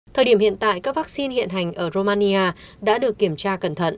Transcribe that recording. thời điểm hiện tại các vaccine hiện hành ở romania đã được kiểm tra cẩn thận